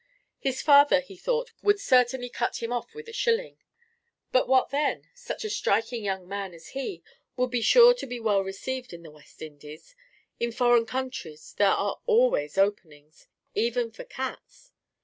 His father, he thought, would certainly cut him off with a shilling; but what then? Such a striking young man as he would be sure to be well received in the West Indies: in foreign countries there are always openings—even for cats.